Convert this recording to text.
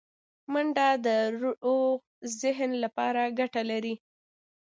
منډه د روغ ذهن لپاره ګټه لري